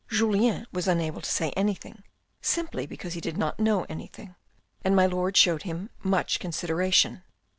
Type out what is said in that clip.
Julien was unable to say anything, simply because he did not know anything, and my Lord showed him much consideration.